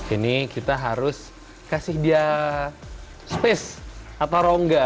ini kita harus kasih dia space atau rongga